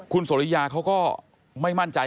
คุณสริยาเขาก็ไม่มั่นใจ